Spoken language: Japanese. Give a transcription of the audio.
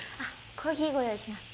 コーヒーご用意します